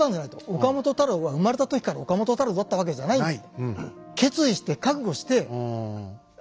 「岡本太郎は生まれた時から岡本太郎だったわけじゃないんだ」。